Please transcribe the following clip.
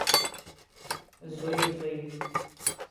• زوی زوی وي.